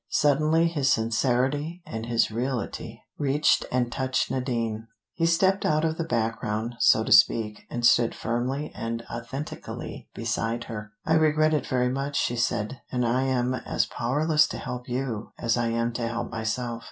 Suddenly his sincerity and his reality reached and touched Nadine. He stepped out of the background, so to speak, and stood firmly and authentically beside her. "I regret it very much," she said, "and I am as powerless to help you, as I am to help myself."